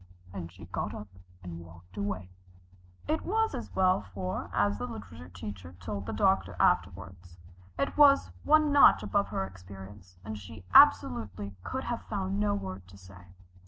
And she got up, and walked away. It was as well, for, as the literature teacher told the doctor afterward, it was one notch above her experience, and she absolutely could have found no word to say.